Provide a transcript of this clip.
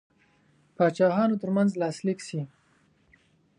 پاچاهانو ترمنځ لاسلیک سي.